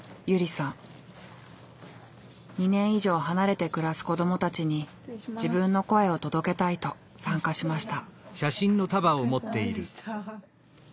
２年以上離れて暮らす子どもたちに自分の声を届けたいと参加しました。